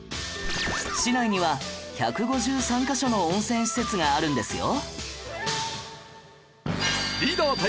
市内には１５３カ所の温泉施設があるんですよ